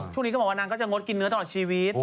ช่วงนี้ก็บอกว่านางก็จะงดกินเนื้อตลอดชีวิต